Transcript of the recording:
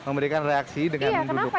memberikan reaksi dengan duduk